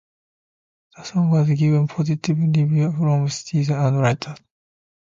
The song was given positive reviews from critics and writers.